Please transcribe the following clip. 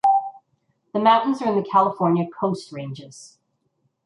The mountains are in the California Coast Ranges.